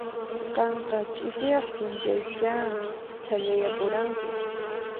Qanqa ch'isiaq p'unchaychá thallayapuranki.